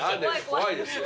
怖いですよ。